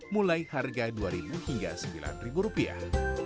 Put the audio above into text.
mulai harga dua ribu hingga sembilan rupiah